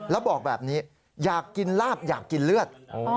แล้วบอกแบบนี้อยากกินลาบอยากกินเลือด